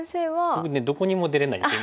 僕どこにも出れないんですよ。